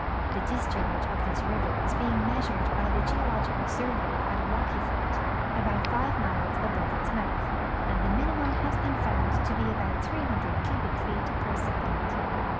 The discharge of this river is being measured by the Geological Survey at Rocky ford, about five miles above its mouth, and the minimum has been found to be about 300 cubic feet per second.